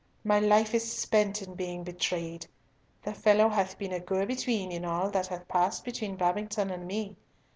My life is spent in being betrayed. The fellow hath been a go between in all that hath passed between Babington and me.